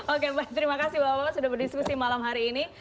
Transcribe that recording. oke baik terima kasih bapak bapak sudah berdiskusi malam hari ini